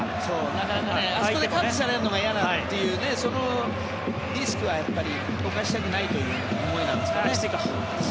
なかなかあそこでカットされるのが嫌だというそこのリスクは冒したくないという思いなんですかね。